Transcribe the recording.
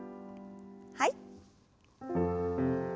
はい。